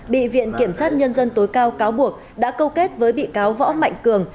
bị viện kiểm sát nhân dân tối cao cáo buộc đã câu kết với bị cáo võ mạnh cường